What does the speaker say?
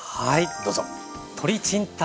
どうぞ。